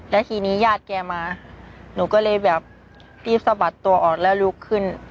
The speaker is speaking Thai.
แล้วทีนี้ญาติแกมาหนูก็เลยแบบรีบสะบัดตัวออกแล้วลุกขึ้น